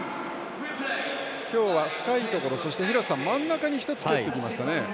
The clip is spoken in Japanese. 今日は深いところ、廣瀬さん真ん中に１つ、蹴ってきましたね。